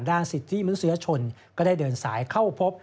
สิทธิมนุษยชนก็ได้เดินสายเข้าพบ